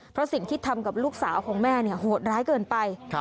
เพราะสิ่งที่ทำกับลูกสาวของแม่โหดร้ายเกินไป